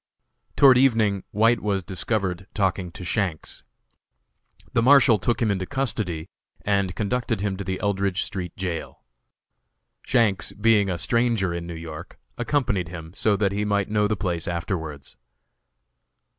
Toward evening White was discovered talking to Shanks. The Marshal took him into custody and conducted him to the Eldridge street jail. Shanks, being a stranger in New York, accompanied him, so that he might know the place afterwards.